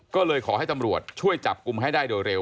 ก็เลยขอให้ตำรวจช่วยจับกลุ่มให้ได้โดยเร็ว